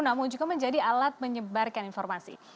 namun juga menjadi alat menyebarkan informasi